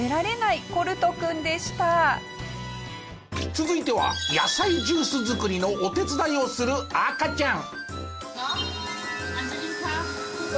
続いては野菜ジュース作りのお手伝いをする赤ちゃん。